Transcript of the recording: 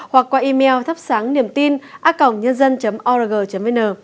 hoặc qua email thapsangniemtina org vn